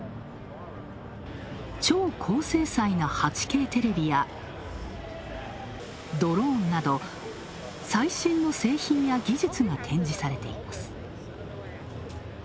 超高精細な８Ｋテレビやドローンなど、最新の製品や技術が展示されています。